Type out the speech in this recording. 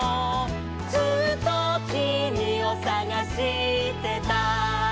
「ずっときみをさがしてた」